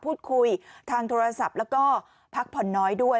พูดคุยทางโทรศัพท์แล้วก็พักผ่อนน้อยด้วย